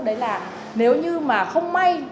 đấy là nếu như mà không may